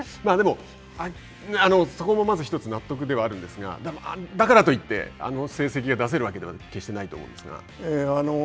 そこもまず一つ納得ではあるんですが、だからといって、あの成績が出せるわけでは決してないと思うんですが。